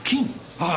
はい。